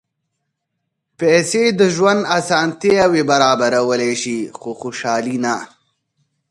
پېسې د ژوند اسانتیاوې برابرولی شي، خو خوشالي نه.